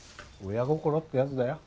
親心ってやつだよ。